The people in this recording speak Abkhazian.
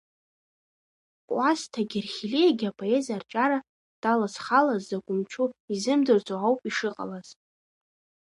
Кәасҭа Герхелиагьы апоезиа арҿиара далазхалаз закә мчу изымдырӡо ауп ишыҟалаз.